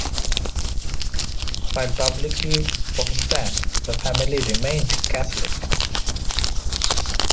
While publicly Protestant, the family remained Catholic.